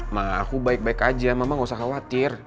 mah aku baik baik aja mama gak usah khawatir